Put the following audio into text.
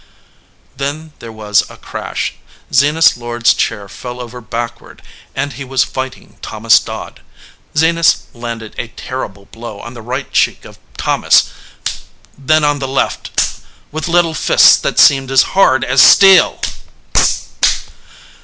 Then there was a crash. Zenas Lord s chair fell over backward and he was fighting Thomas Dodd. Zenas landed a terrible blow on the right cheek of Thomas, then on the left, with little fists that seemed as hard as steel.